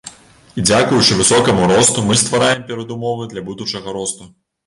І дзякуючы высокаму росту мы ствараем перадумовы для будучага росту.